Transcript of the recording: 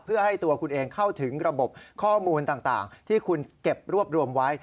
เพื่อให้ตัวคุณเองเข้าถึงระบบข้อมูลต่างที่คุณเก็บรวบรวมไว้